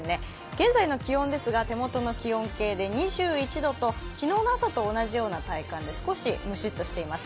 現在の気温ですが、手元の気温計で２１度と昨日の朝と同じような体感で少しムシッとしています。